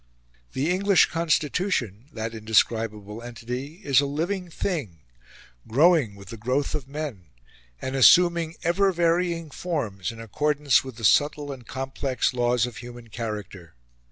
The English Constitution that indescribable entity is a living thing, growing with the growth of men, and assuming ever varying forms in accordance with the subtle and complex laws of human character.